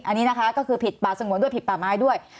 อันนี้นะคะก็คือผิดป่าสงวนด้วยผิดป่าไม้ด้วย